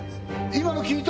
今の聞いた？